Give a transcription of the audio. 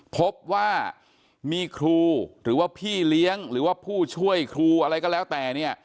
พบว่ามีครูหรือว่าพี่เลี้ยงหรือว่าผู้ช่วยครูอะไรก็แล้วแต่เนี่ย